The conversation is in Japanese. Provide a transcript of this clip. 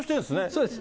そうです。